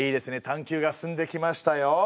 探究が進んできましたよ。